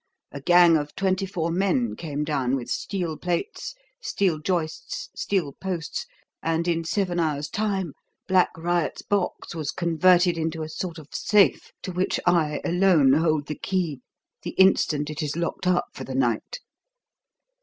A gang of twenty four men came down, with steel plates, steel joists, steel posts, and in seven hours' time Black Riot's box was converted into a sort of safe, to which I alone hold the key the instant it is locked up for the night.